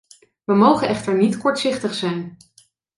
We mogen echter niet kortzichtig zijn.